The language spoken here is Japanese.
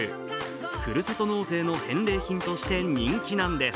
ふるさと納税の返礼品として人気なんです。